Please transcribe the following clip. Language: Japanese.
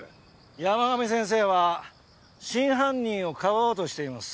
山上先生は真犯人をかばおうとしています。